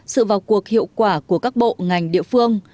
sự vào cuộc hiệu quả của các bộ ngành địa phương